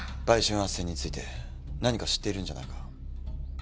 売春斡旋について何か知っているんじゃないか？